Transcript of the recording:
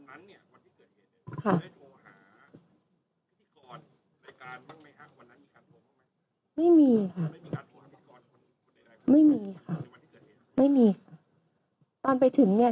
วันเกิดเหตุไม่มีค่ะไม่มีค่ะไม่มีค่ะตอนไปถึงเนี้ย